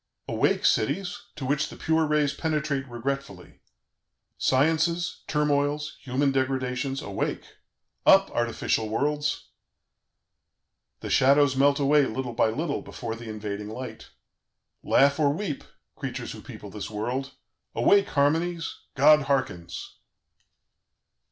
"Awake, cities! to which the pure rays penetrate regretfully! Sciences, turmoils, human degradations, awake!... Up, artificial worlds! "The shadows melt away little by little, before the invading light.... "Laugh or weep, creatures who people this world. "Awake, harmonies! God hearkens!